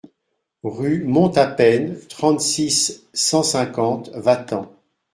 Rue Monte à Peine, trente-six, cent cinquante Vatan